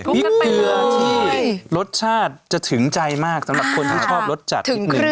พิเศษที่รสชาติจะถึงใจมากสำหรับคนที่ชอบรสจัด